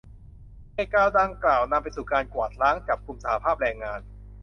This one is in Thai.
เหตุการณ์ดังกล่าว นำไปสู่การกวาดล้างจับกุมสหภาพแรงงาน